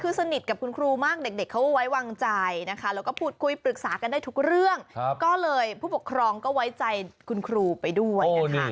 คือสนิทกับคุณครูมากเด็กเขาไว้วางใจนะคะแล้วก็พูดคุยปรึกษากันได้ทุกเรื่องก็เลยผู้ปกครองก็ไว้ใจคุณครูไปด้วยนะคะ